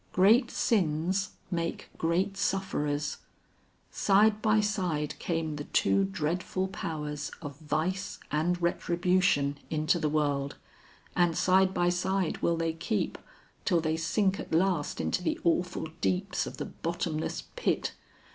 Great sins make great sufferers. Side by side came the two dreadful powers of vice and retribution into the world, and side by side will they keep till they sink at last into the awful deeps of the bottomless pit.